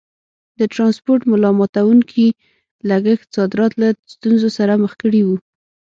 د ټرانسپورټ ملا ماتوونکي لګښت صادرات له ستونزو سره مخ کړي وو.